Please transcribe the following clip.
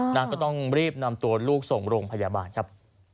นางก็ต้องรีบนำตัวลูกส่งโรงพยาบาลครับ